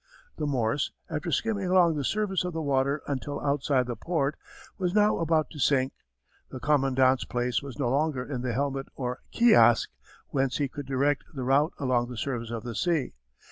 The Morse, after skimming along the surface of the water until outside the port, was now about to sink. The commandant's place was no longer in the helmet or kiosque whence he could direct the route along the surface of the sea.